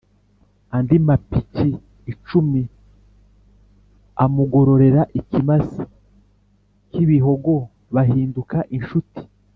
andi mapiki icumi, amugororera ikimasa k’ibihogo bahinduka inshuti.